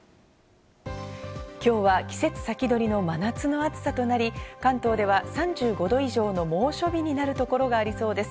今日は季節先取りの真夏の暑さとなり、関東では３５度以上の猛暑日になるところがありそうです。